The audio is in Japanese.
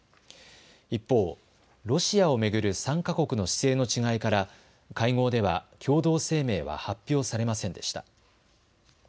一方、ロシアを巡る参加国の姿勢の違いから会合では共同声明は発表されませんでした。